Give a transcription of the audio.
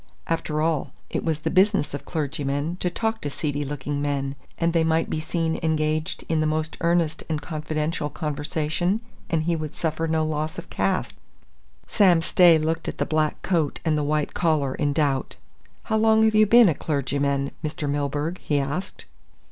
After all, it was the business of clergymen to talk to seedy looking men, and they might be seen engaged in the most earnest and confidential conversation and he would suffer no loss of caste. Sam Stay looked at the black coat and the white collar in doubt. "How long have you been a clergyman, Mr. Milburgh?" he asked.